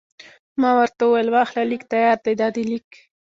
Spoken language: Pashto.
ما ورته وویل: واخله، لیک تیار دی، دا دی لیک.